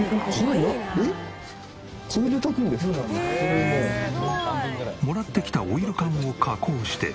「へえすごい」もらってきたオイル缶を加工して。